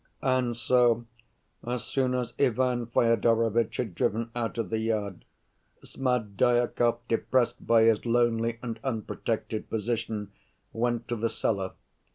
And so, as soon as Ivan Fyodorovitch had driven out of the yard, Smerdyakov, depressed by his lonely and unprotected position, went to the cellar.